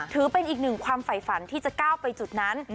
ถือเป็นอีกหนึ่งความไฝฝันที่จะก้าวไปจุดนั้น